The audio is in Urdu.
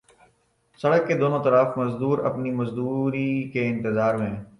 سڑک کے دونوں اطراف مزدور اپنی مزدوری کے انتظار میں